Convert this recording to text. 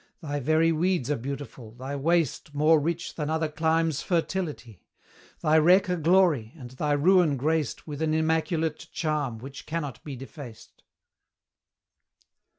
Thy very weeds are beautiful, thy waste More rich than other climes' fertility; Thy wreck a glory, and thy ruin graced With an immaculate charm which cannot be defaced.